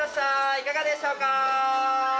いかがでしょうか。